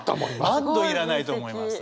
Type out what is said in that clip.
「マッド」いらないと思います。